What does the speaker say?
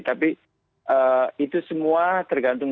tapi itu semua tergantung